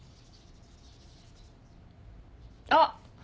あっ。